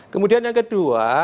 kemudian yang kedua